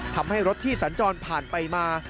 ทำให้รถที่สัญจรผ่านไปมา